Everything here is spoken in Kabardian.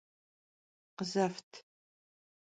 Khızeft!